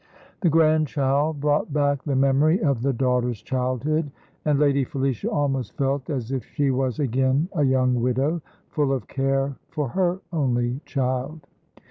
The grandchild brought back the memory of the daughter's childhood, and Lady Felicia almost felt as if she was again a young widow, full of care for her only child.